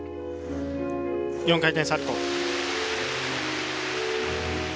４回転サルコウ。